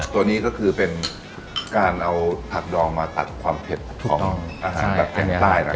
ตัวนี้ก็คือเป็นการเอาผักดองมาตัดความเผ็ดของอาหารแบบเส้นใต้นะครับ